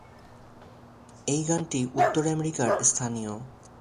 এই গণটি উত্তর আমেরিকার স্থানীয়।